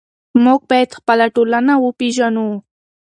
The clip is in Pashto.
موږ باید خپله ټولنه وپېژنو.